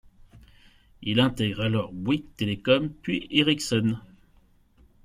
Il intègre alors Bouygues Telecom, puis Ericsson.